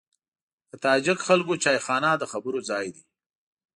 د تاجک خلکو چایخانه د خبرو ځای دی.